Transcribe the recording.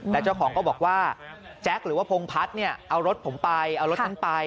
แล้วเจ้าของก็บอกว่าแจ๊คหรือว่าพงพัฒน์เนี่ยเอารถผมไปเอารถฉันไป